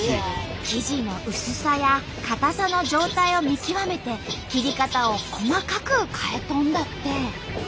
生地の薄さや硬さの状態を見極めて切り方を細かく変えとんだって。